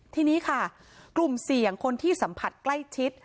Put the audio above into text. ทีนี้ค่ะกลุ่มเสี่ยงคนที่สัมผัสใกล้ชิด